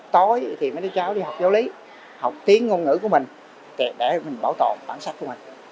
tối thì mấy đứa cháu đi học giáo lý học tiếng ngôn ngữ của mình để mình bảo tồn bản sắc của mình